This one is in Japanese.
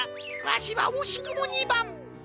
わしはおしくも２ばん。